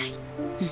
うん。